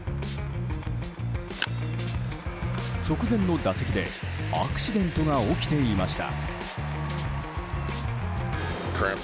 直前の打席でアクシデントが起きていました。